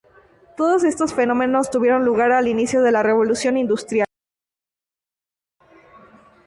Todos estos fenómenos tuvieron lugar al inicio de la Revolución Industrial.